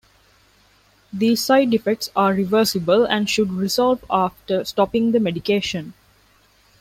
These side effects are reversible and should resolve after stopping the medication.